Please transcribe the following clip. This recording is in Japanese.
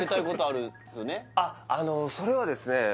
あのそれはですね